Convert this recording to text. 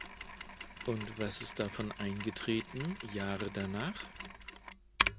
Und was ist davon eingetreten, Jahre danach?